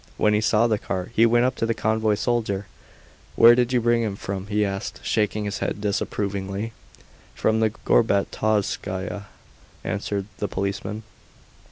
When he saw the cart he went up to the convoy soldier. "Where did you bring him from?" he asked, shaking his head disapprovingly. "From the Gorbatovskaya," answered the policeman.